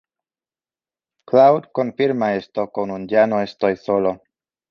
Cloud confirma esto con un "ya no estoy solo".